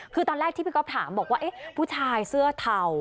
คือตอนแรกที่พี่ก๊อฟถามบอกว่าเอ๊ะผู้ชายเสื้อเทา